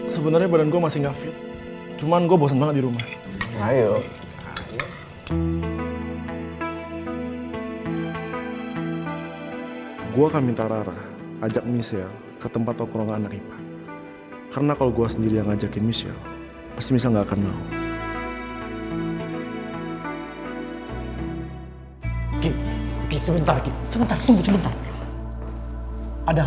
sebenarnya badan gue masih gak fit cuman gue bosen banget di rumah